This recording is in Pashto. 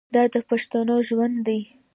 دا د پښتنو ژوند دی.